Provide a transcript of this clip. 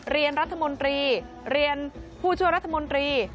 เรียนรัฐมนตรีเรียนผู้ช่วยรัฐมนตรี